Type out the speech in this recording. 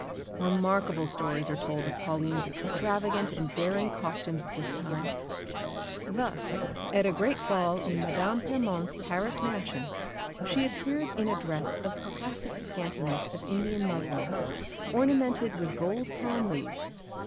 Remarkable stories are told of Pauline's extravagant and daring costumes at this time. Thus, at a great ball in Madame Permon's Paris mansion, she appeared in a dress of classic scantiness of Indian muslin, ornamented with gold palm leaves.